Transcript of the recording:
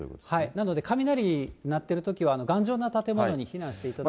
なので、雷鳴ってるときは頑丈な建物に避難してください。